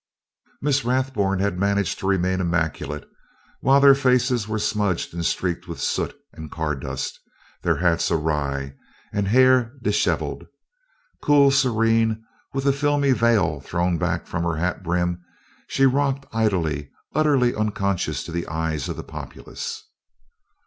Miss Rathburn had managed to remain immaculate, while their faces were smudged and streaked with soot and car dust, their hats awry and hair dishevelled. Cool, serene, with a filmy veil thrown back from her hat brim, she rocked idly, utterly unconscious of the eyes of the populace.